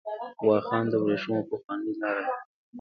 واخان د ورېښمو پخوانۍ لار ده .